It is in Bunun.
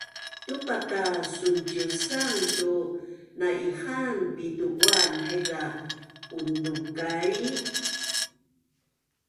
Tupa ka sunciusanga tu na’ihaan pitu buan haiza unzukai